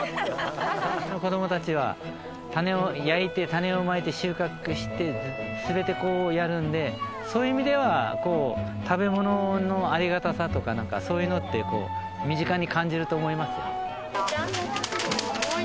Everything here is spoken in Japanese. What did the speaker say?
子どもたちは焼いて種をまいて収穫して全てこうやるのでそういう意味ではこう食べ物のありがたさとかなんかそういうのって身近に感じると思います。